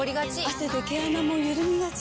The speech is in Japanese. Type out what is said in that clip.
汗で毛穴もゆるみがち。